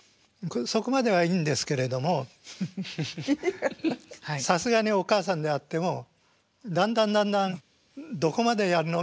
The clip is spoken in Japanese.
そこまではいいんですけれどもさすがにお母さんであってもだんだんだんだんどこまでやるの？